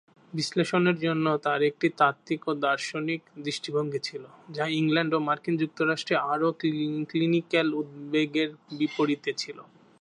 বিশ্লেষণের জন্য তার একটি তাত্ত্বিক ও দার্শনিক দৃষ্টিভঙ্গি ছিল, যা ইংল্যান্ড ও মার্কিন যুক্তরাষ্ট্রে আরও ক্লিনিকাল উদ্বেগের বিপরীতে ছিল।